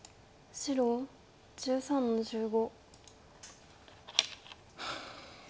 白１４の十五。